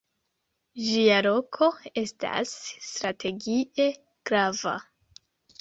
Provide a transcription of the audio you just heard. Ĝia loko estas strategie grava.